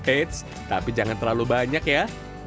eits tapi jangan terlalu banyak ya